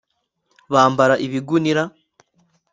bambara ibigunira